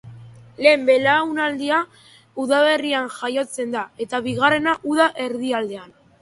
Lehen belaunaldia udaberrian jaiotzen da, eta bigarrena uda erdialdean.